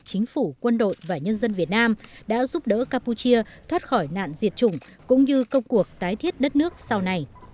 chính phủ quân đội và nhân dân việt nam đã giúp đỡ campuchia thoát khỏi nạn diệt chủng cũng như công cuộc tái thiết đất nước sau này